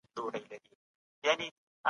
هغه د رسوت څخه په تنګ راغلی و.